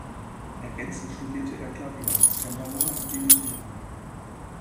Ergänzend studierte er Klavier, Cembalo und Dirigieren.